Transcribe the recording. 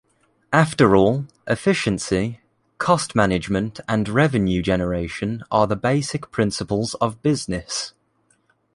After all, efficiency, cost management and revenue generation are the basic principles of business.